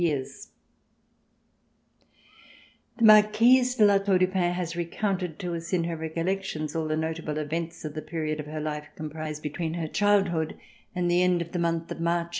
POSTSCRIPT The Marquise du La ruur du Pin lias recounted to us in her Recollections all the notable events of the period of her life comprised between her childhood and the end of the month of March, 1815.